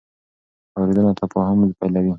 اورېدنه تفاهم پیلوي.